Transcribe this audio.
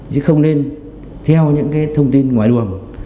chứ không nên theo những thông tin ngoài luồng